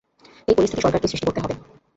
এই পরিস্থিতি সরকারকেই সৃষ্টি করতে হবে।